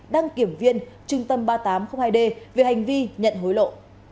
đăng kiểm viên trung tâm ba nghìn tám trăm linh hai d về hành vi nhận hối lộ